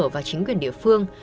và chính quyền địa phương